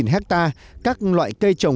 hai hectare các loại cây trồng